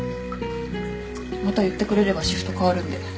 また言ってくれればシフトかわるんで。